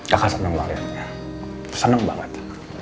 kakak seneng banget ya seneng banget